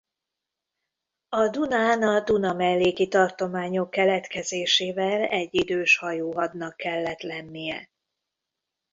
A Dunán a dunamelléki tartományok keletkezésével egyidős hajóhadnak kellett lennie.